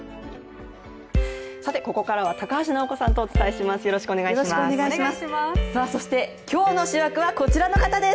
ここからは高橋尚子さんとお伝えします。